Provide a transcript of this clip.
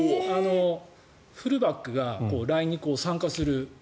フルバックがラインに参加する。